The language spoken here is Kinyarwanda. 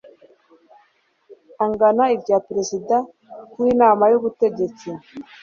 angana irya perezida w inama y ubutegetsi